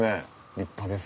立派です。